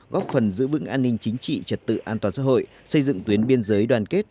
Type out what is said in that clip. góp phần giữ vững an ninh chính trị trật tự an toàn xã hội xây dựng tuyến biên giới đoàn kết